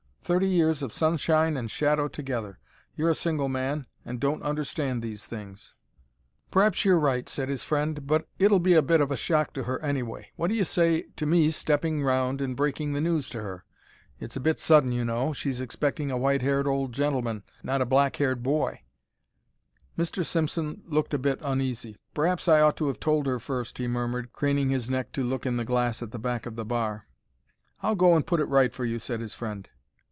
Thirty years of sunshine and shadow together. You're a single man, and don't understand these things." "P'r'aps you're right," said his friend. "But it'll be a bit of a shock to her, anyway. What do you say to me stepping round and breaking the news to her? It's a bit sudden, you know. She's expecting a white haired old gentleman, not a black haired boy." Mr. Simpson looked a bit uneasy. "P'r'aps I ought to have told her first," he murmured, craning his neck to look in the glass at the back of the bar. "I'll go and put it right for you," said his friend.